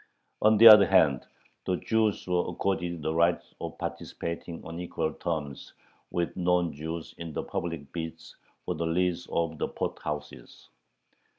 On the other hand, the Jews were accorded the rights of participating on equal terms with non Jews in the public bids for the lease of the pothouses.